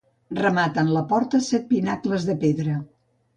Rematen la porta set pinacles de pedra.